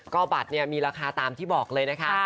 ก็บัตรเนี่ยมีราคาตามที่บอกเลยนะคะ